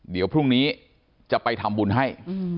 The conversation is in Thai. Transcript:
เดี๋ยวพรุ่งนี้จะไปทำบุญให้